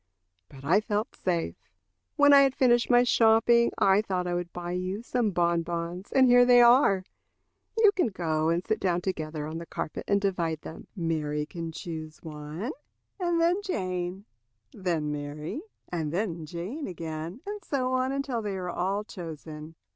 But I felt safe. When I had finished my shopping, I thought I would buy you some bonbons, and here they are. You can go and sit down together on the carpet and divide them. Mary can choose one, and then Jane; then Mary, and then Jane again; and so on until they are all chosen."